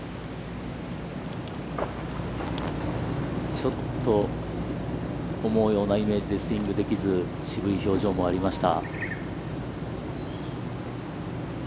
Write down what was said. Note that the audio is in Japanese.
ちょっと思うようなイメージでスイングできず、渋い表情もありました。